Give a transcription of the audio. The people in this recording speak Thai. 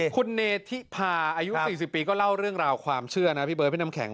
คุณเนธิพาอายุ๔๐ปีก็เล่าเรื่องราวความเชื่อนะพี่เบิร์พี่น้ำแข็ง